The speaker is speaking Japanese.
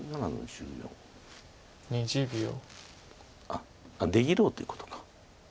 あっ出切ろうっていうことか。